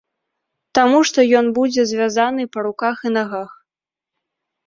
Таму што ён будзе звязаны па руках і нагах.